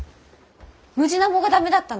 ムジナモが駄目だったの？